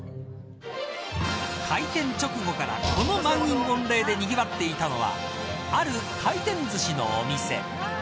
開店直後からこの満員御礼でにぎわっていたのはある回転ずしのお店。